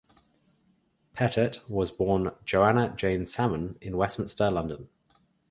Pettet was born Joanna Jane Salmon in Westminster, London.